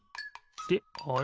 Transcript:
であれ？